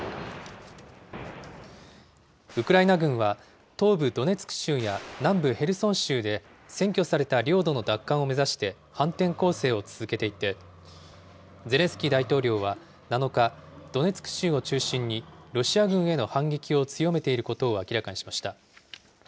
ウクライナ軍は、東部ドネツク州や南部ヘルソン州で、占拠された領土の奪還を目指して反転攻勢を続けていて、ゼレンスキー大統領は７日、ドネツク州を中心に、ロシア軍への反撃を強めていることを明らかにしました。